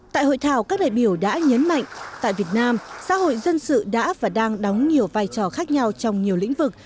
tại hội thảo các đại biểu đã nhấn mạnh tại việt nam xã hội dân sự đã và đang đóng nhiều vai trò khác nhau trong nhiều lĩnh vực